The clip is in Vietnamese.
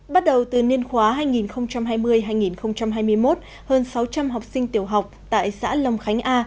bắt đầu từ niên khóa hai nghìn hai mươi hai nghìn hai mươi một hơn sáu trăm linh học sinh tiểu học tại xã long khánh a